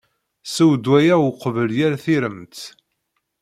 Sew ddwa-a uqbel yal tiremt.